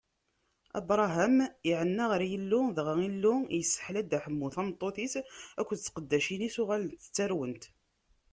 Abṛaham iɛenna ɣer Yillu, dɣa Illu yesseḥla Dda Ḥemmu, tameṭṭut-is akked tqeddacin-is: uɣalent ttarwent.